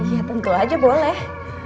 iya tentu aja boleh